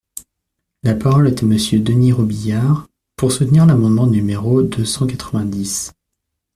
La parole est à Monsieur Denys Robiliard, pour soutenir l’amendement numéro deux cent quatre-vingt-dix.